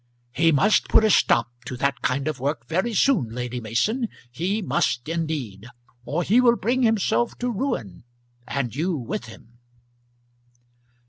"He must put a stop to that kind of work very soon, Lady Mason; he must indeed; or he will bring himself to ruin and you with him."